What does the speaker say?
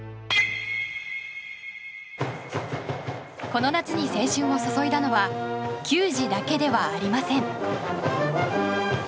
この夏に青春を注いだのは球児だけではありません。